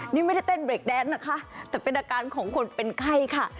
นี่ไม่ได้เต้นเบรกแดนนะคะแต่เป็นอาการของคนเป็นไข้ค่ะ